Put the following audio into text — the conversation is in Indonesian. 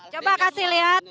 coba kasih lihat